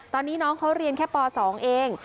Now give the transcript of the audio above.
ตอนนี้น้องเขาเรียนแค่ป๒เอง